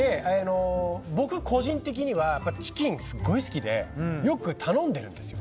僕個人的にはチキンすごい好きでよく頼んでるんですよ。